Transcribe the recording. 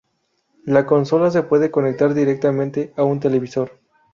La consola se puede conectar directamente a un televisor.